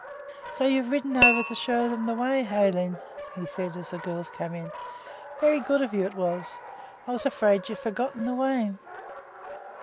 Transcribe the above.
'So you've ridden over to show them the way, Aileen,' he said, as the girls came in; 'very good of you it was. I was afraid you'd forgotten the way.'